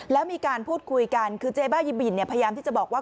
แล้วมีการพูดคุยกันคือเจ๊บ้ายิบินพยายามที่จะบอกว่า